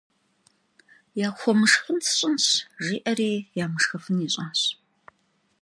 «Yaxuemışşxen sş'ınş», – jji'eri yamışşxıfın yiş'aş.